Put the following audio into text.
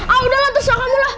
ah udahlah terserah kamu lah